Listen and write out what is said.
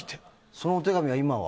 そのお手紙は今は？